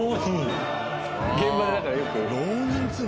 現場でだからよく。